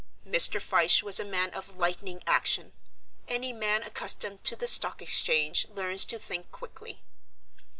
Mr. Fyshe was a man of lightning action. Any man accustomed to the Stock Exchange learns to think quickly.